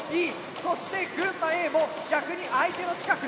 そして群馬Ａも逆に相手の近く。